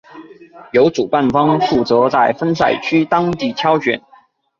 由主办方负责在分赛区当地挑选。